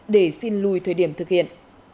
để xin lùi thời điểm thực hiện